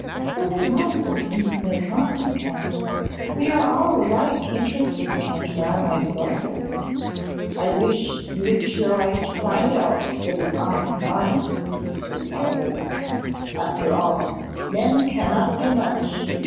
'Lord Montfort needs no prompting, Count. We are all alike interested in Captain Armine's welfare.' 'I wish you would try to find out what is on his mind,' said Count Mirabel. 'After all, men cannot do much.